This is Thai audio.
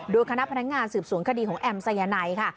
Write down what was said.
โดยคณะพนักงานสืบสวนคดีของแอมสายไนค่ะ